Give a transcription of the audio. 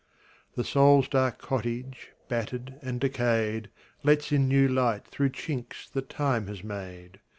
The soul's dark cottage, battered and decayed, Lets in new light through chinks that time has made.